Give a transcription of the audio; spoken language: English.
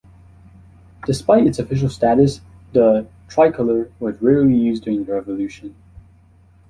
Despite its official status, the "tricolore" was rarely used during the revolution.